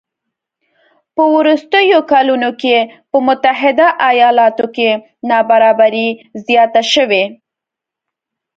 په وروستیو کلونو کې په متحده ایالاتو کې نابرابري زیاته شوې